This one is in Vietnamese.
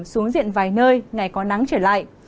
xuống diện vài nơi ngày có nắng trở lại